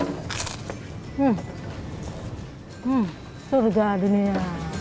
hmm hmm surga dunia